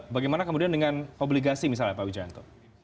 bagaimana kemudian dengan obligasi misalnya pak wijanto